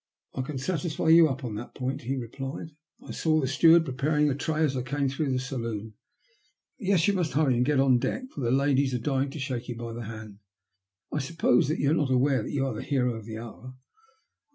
" I can satisfy you up on that point," he replied. " I saw the steward preparing the tray as I came through the saloon. Tes, you must hurry up and get on deck, for the ladies are dying to shake you by the hand. I suppose you're not aware that you are the hero of the hour